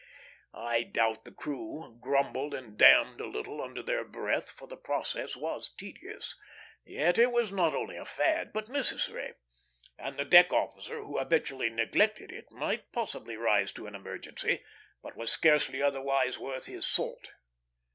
I doubt the crew grumbled and d d a little under their breath, for the process was tedious; yet it was not only a fad, but necessary, and the deck officer who habitually neglected it might possibly rise to an emergency, but was scarcely otherwise worth his salt.